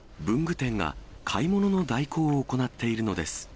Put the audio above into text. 文具店が買い物の代行を行っているのです。